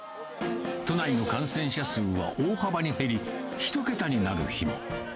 都内の感染者数は大幅に減り、１桁になる日も。